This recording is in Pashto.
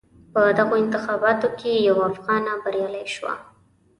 په دغو انتخاباتو کې یوه افغانه بریالی شوه.